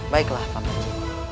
baiklah paman cip